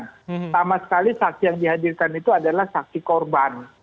pertama sekali saksi yang dihadirkan itu adalah saksi korban